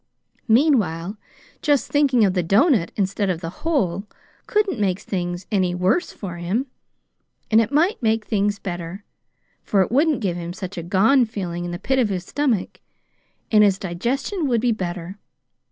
Meanwhile, just thinking of the doughnut instead of the hole couldn't make things any worse for him, and it might make things better; for it wouldn't give him such a gone feeling in the pit of his stomach, and his digestion would be better.